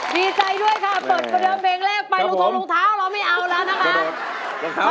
เปิดเมล็ดแรกงามลูกท้าวเราไม่เอาแล้วนะคะ